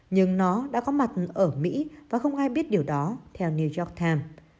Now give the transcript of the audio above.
nhưng nó đã có mặt ở mỹ và không ai biết điều đó theo new york times